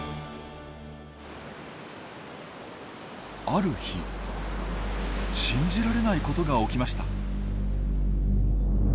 ある日信じられないことが起きました。